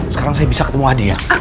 sekarang saya bisa ketemu adi ya